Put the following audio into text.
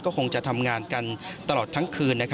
คงจะทำงานกันตลอดทั้งคืน